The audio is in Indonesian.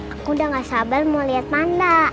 aku udah gak sabar mau liat panda